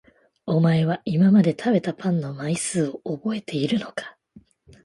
お前は今まで食べたパンの枚数を覚えているのか？